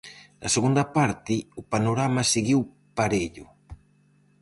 Na segunda parte o panorama seguiu parello.